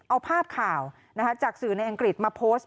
เอาภาพข่าวจากสื่อในอังกฤษมาโพสต์